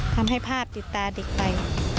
ทำให้ภาพติดตาเด็กไป